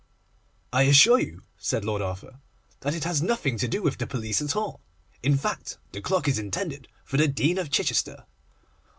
'I assure you,' said Lord Arthur, 'that it has nothing to do with the police at all. In fact, the clock is intended for the Dean of Chichester.